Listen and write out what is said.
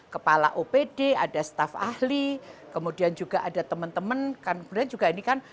kepala opd ada staf ahli kemudian juga ada teman teman kan kemudian juga ini kan